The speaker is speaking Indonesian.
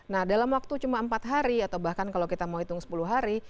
nah dalam waktu cuma empat hari atau bahkan kalau kita mau hitung sepuluh hari